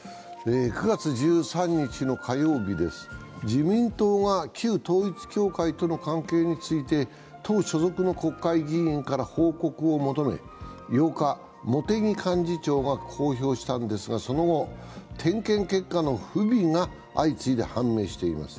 ９月１３日の火曜日です、自民党が旧統一教会との関係について党所属の国会議員から報告を求め、８日、茂木幹事長が公表したんですが、その後、点検結果の不備が相次いで判明しています。